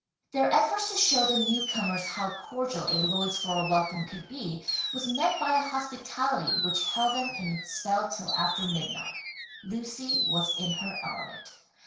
Their effort to show the newcomers how cordial a Lloydsboro welcome could be, was met by a hospitality which held them in its spell till after midnight. Lucy was in her element.